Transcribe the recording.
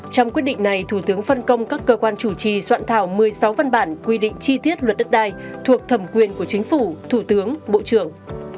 trong quyết định này thủ tướng phân công các cơ quan chủ trì soạn thảo một mươi sáu văn bản quy định chi tiết luật đất đai thuộc thẩm quyền của chính phủ thủ tướng bộ trưởng